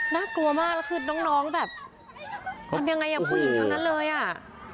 น่ากลัวมากคือน้องแบบทำยังไงกับผู้หญิงเดี๋ยวนั้นเลยอ่ะ